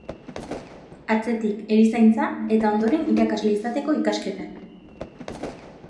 Atzetik, erizaintza, eta ondoren irakasle izateko ikasketak.